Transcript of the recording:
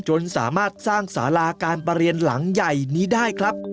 จนสามารถสร้างสาราการประเรียนหลังใหญ่นี้ได้ครับ